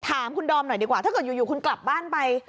ถามคุณดอมหน่อยดีกว่าถ้าเกิดอยู่คุณกลับบ้านไป